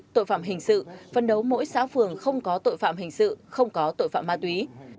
tội phạm hình sự phân đấu mỗi xã phường không có tội phạm hình sự không có tội phạm ma túy